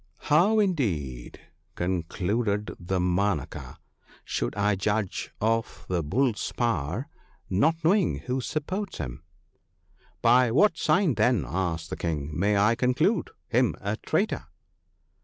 * How, indeed,' concluded Damanaka, ' should I judge of the Bull's power, not knowing who supports him ?'' By what signs, then,' asked the King, ' may I conclude him a traitor